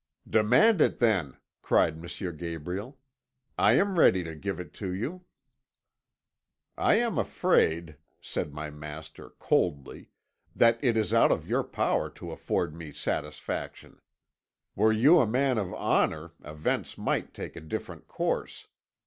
"'Demand it, then,' cried M. Gabriel. 'I am ready to give it to you.' "'I am afraid,' said my master coldly, 'that it is out of your power to afford me satisfaction. Were you a man of honour events might take a different course.